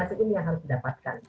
rasa ini yang harus didapatkan